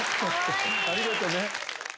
ありがとね。